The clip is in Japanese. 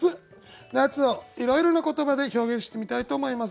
「夏」をいろいろな言葉で表現してみたいと思います。